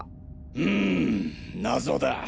うん謎だ。